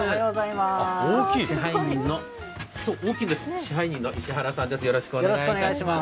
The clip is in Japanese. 支配人の石原さんです。